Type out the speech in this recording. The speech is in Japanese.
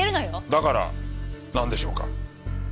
だからなんでしょうか？